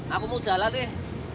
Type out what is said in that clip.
aku mau jalan nih